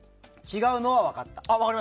違うのは分かった。